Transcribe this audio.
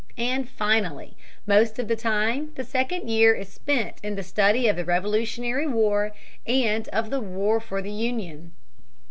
And, finally, most of the time the second year is spent in the study of the Revolutionary War and of the War for the Union.